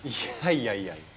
いやいやいや